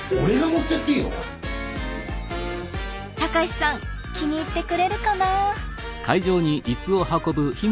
隆さん気に入ってくれるかな？